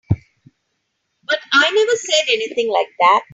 But I never said anything like that.